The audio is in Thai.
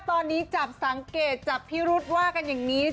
ตอนนี้จับสังเกตจับพิรุษว่ากันอย่างนี้